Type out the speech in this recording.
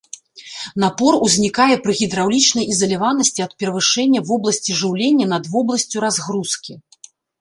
Напор узнікае пры гідраўлічнай ізаляванасці ад перавышэння вобласці жыўлення над вобласцю разгрузкі.